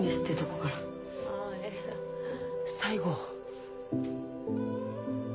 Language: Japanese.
最後？